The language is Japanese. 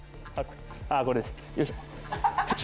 あこれですよいしょ。